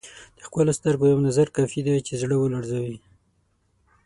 د ښکلو سترګو یو نظر کافي دی چې زړه ولړزوي.